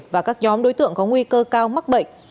và các nhóm đối tượng có nguy cơ cao mắc bệnh